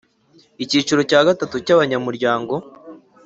Icyiciro cya gatatu cy’abanyamuryango